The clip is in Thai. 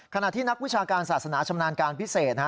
ขณะที่นักวิชาการศาสนาชำนาญการพิเศษ